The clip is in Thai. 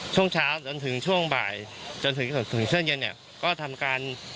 ช่วงเช้าจนถึงช่วงบ่ายจนถึงช่วงเย็นเนี่ยก็ทำการ